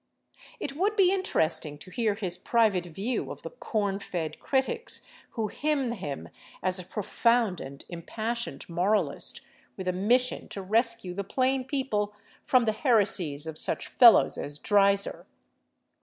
It would be interesting to hear his private view of the corn fed critics who hymn him as a profound and impassioned moralist, with a mission to rescue the plain people from the heresies of such fellows as Dreiser.